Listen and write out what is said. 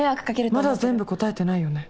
まだ全部答えてないよね？